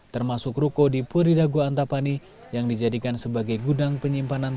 termasuk ruko di puridago antapani yang dijadikan sebagai gudang penyimpanan